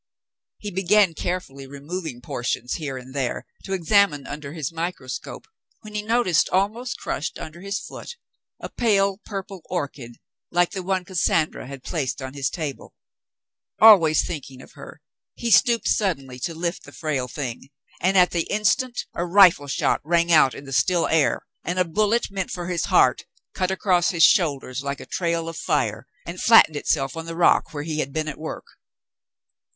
He began carefully removing portions here and there to examine under his microscope, when he noticed, almost crushed under his foot, a pale purple orchid like the one Cassandra had placed on his table. Always thinking of her, he stooped suddenly to lift the frail thing, and at the instant 170 The Mountain Girl a rifle shot rang out in the still air, and a bullet meant for his heart cut across his shoulders like a trail of fire and flattened itself on the rock where he had been at work.